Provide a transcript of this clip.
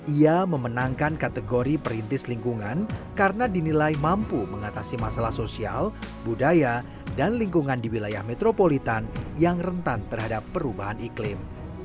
ia memenangkan kategori perintis lingkungan karena dinilai mampu mengatasi masalah sosial budaya dan lingkungan di wilayah metropolitan yang rentan terhadap perubahan iklim